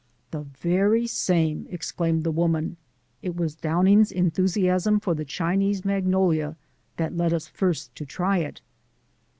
"The very same," exclaimed the woman; "it was Downing's enthusiasm for the Chinese magnolia which led us first to try it."